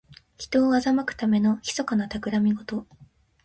人を欺くためのひそかなたくらみごと。